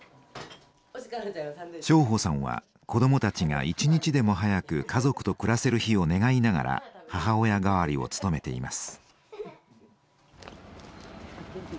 荘保さんは子どもたちが一日でも早く家族と暮らせる日を願いながら母親代わりを務めています。